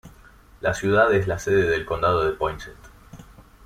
La ciudad es la sede del condado de Poinsett.